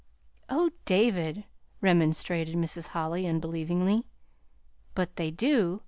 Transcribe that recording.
"Oh, David," remonstrated Mrs. Holly, unbelievingly. "But they do!